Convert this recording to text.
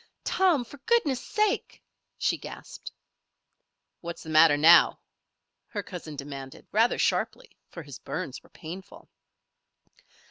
"Tom! For goodness' sake!" she gasped. "What's the matter now?" her cousin demanded, rather sharply, for his burns were painful.